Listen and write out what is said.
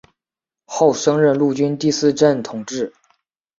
后升任陆军第四镇统制。